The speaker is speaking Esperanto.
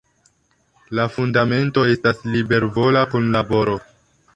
La fundamento estas libervola kunlaboro.